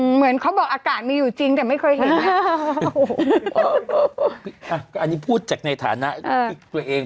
เหมือนเขาบอกอากาศมีอยู่จริงแต่ไม่เคยเห็นอ่ะก็อันนี้พูดจากในฐานะที่ตัวเอง